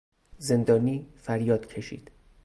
زندانی فریاد کشید.